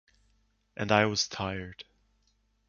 And I was tired.